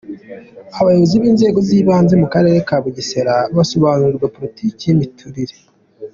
Abayobozi b’inzego z’ibanze mu Karere ka Bugesera basobanurirwa Politiki y’imiturire.